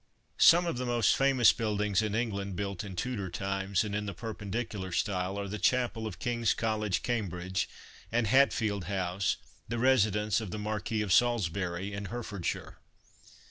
Some of the most famous buildings in England built in Tudor times, and in the per pendicular style, are the Chapel of King's College, Cambridge, and Hatfield House, the residence of the Marquis of Salisbury, in Hertfordshire."